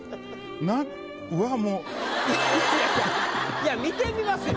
いや見てみますよ。